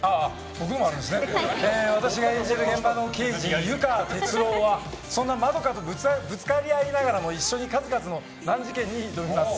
私が演じる現場の刑事湯川哲郎はそんな円とぶつかり合いながらも一緒に数々の難事件に挑みます。